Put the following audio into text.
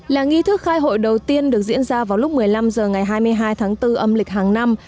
là nghi thức khai hội đầu tiên được diễn ra vào lúc một mươi năm h ngày hai mươi hai tháng bốn âm lịch hàng năm